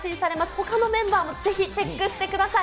ほかのメンバーもぜひチェックしてください。